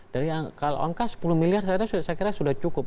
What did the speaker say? dari kalau angka sepuluh miliar saya kira sudah cukup